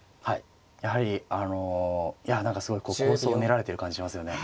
やはりあのいや何かすごい構想を練られてる感じしますよね。